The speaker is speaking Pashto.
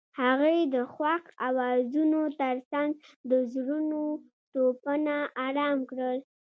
هغې د خوښ اوازونو ترڅنګ د زړونو ټپونه آرام کړل.